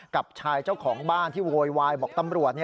กับชายเจ้าของบ้านที่โวยวายบอกตำรวจ